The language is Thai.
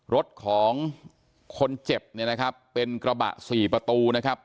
รถของคนเจ็บเนี่ยนะครับเป็นกระบะสี่ประตูนะครับ